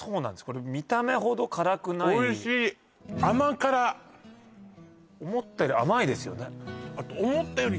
これ見た目ほど辛くない甘辛思ったより甘いですよね